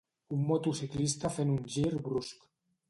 Un motociclista fent un gir brusc.